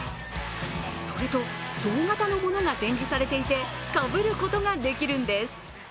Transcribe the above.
それと同型のものが展示されていてかぶることができるんです。